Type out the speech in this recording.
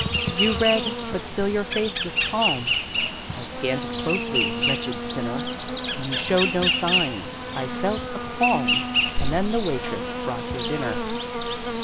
You read, but still your face was calm (I scanned it closely, wretched sinner!) You showed no sign I felt a qualm And then the waitress brought your dinner.